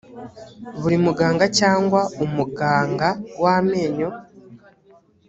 buri muganga cyangwa umuganga w amenyo